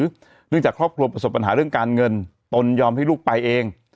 เนื่องจากครอบครัวประสบปัญหาเรื่องการเงินตนยอมให้ลูกไปเอง